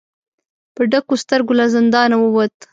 په ډکو سترګو له زندانه ووت.